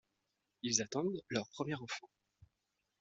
Ils attendent leur premier enfant.